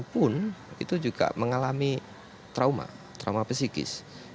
pun itu juga mengalami trauma trauma psikis